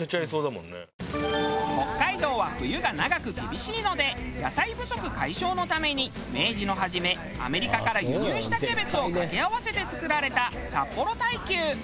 北海道は冬が長く厳しいので野菜不足解消のために明治の初めアメリカから輸入したキャベツをかけ合わせて作られた札幌大球。